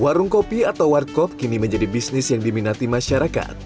warung kopi atau warkop kini menjadi bisnis yang diminati masyarakat